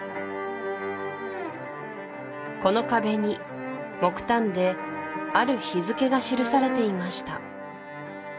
この壁に木炭である日付が記されていました